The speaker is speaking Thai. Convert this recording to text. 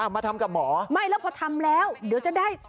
มาทำกับหมอไม่แล้วพอทำแล้วเดี๋ยวจะได้